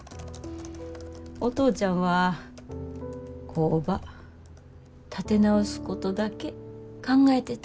お父ちゃんは工場立て直すことだけ考えてた。